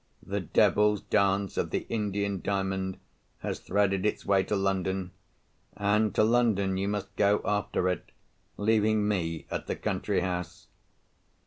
The devil's dance of the Indian Diamond has threaded its way to London; and to London you must go after it, leaving me at the country house.